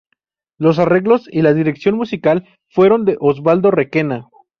Los arreglos y la dirección musical fueron de Osvaldo Requena.